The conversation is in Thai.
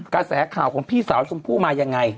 กระแสข่าวของพี่สาวชมพู่มายังไง